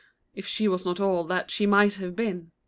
If she was not all that she might have been.